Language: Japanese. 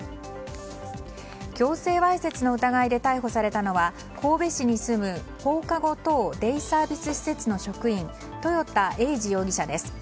強制わいせつの疑いで逮捕されたのは神戸市に住む放課後等デイサービス施設の職員豊田栄二容疑者です。